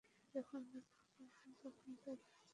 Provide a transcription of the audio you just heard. যখন ব্যাখ্যা করা হয় তখন তা বাস্তবায়িত হয়।